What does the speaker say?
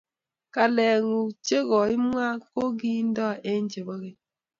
Kaleng ku che koimwai ko kindo eng chebo keny